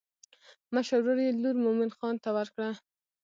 مشر ورور یې لور مومن خان ته ورکړه.